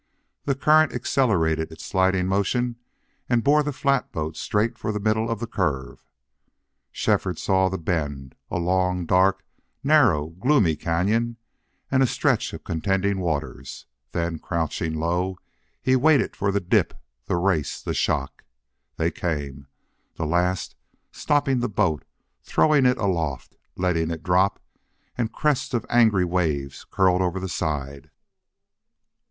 The current accelerated its sliding motion and bore the flatboat straight for the middle of the curve. Shefford saw the bend, a long, dark, narrow, gloomy cañon, and a stretch of contending waters, then, crouching low, he waited for the dip, the race, the shock. They came the last stopping the boat throwing it aloft letting it drop and crests of angry waves curled over the side.